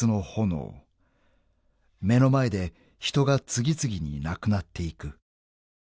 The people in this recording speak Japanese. ［目の前で人が次々に亡くなっていく］